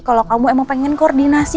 kalau kamu emang pengen koordinasi